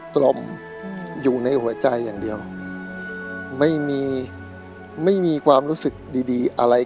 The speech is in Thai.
กลมอยู่ในหัวใจอย่างเดียวไม่มีไม่มีความรู้สึกดีดีอะไร